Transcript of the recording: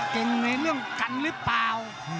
ในเรื่องกันหรือเปล่า